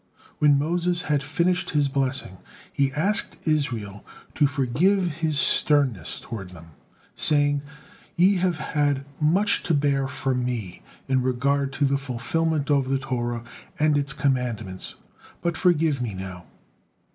When Moses had finished his blessing, he asked Israel to forgive his sternness toward them, saying: "Ye have had much to bear from me in regard to the fulfillment of the Torah and its commandments, but forgive me now."